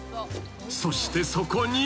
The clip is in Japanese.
そしてそこに］